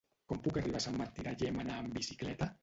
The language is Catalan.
Com puc arribar a Sant Martí de Llémena amb bicicleta?